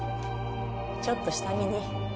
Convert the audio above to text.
ちょっと下見に。